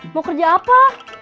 mau kerja apa